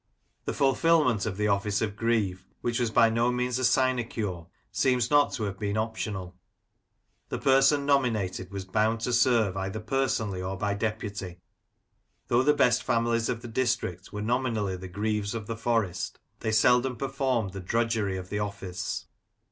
The fulfilment of the office of Greave, which was by no means a sinecure, seems not to have been optional. The person nominated was bound to serve either personally or by deputy. Though the best families of the district were nominally the Greaves of the Forest, they seldom performed the drudgery of the office.